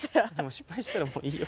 失敗したらもういいよ。